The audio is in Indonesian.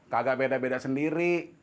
kagak beda beda sendiri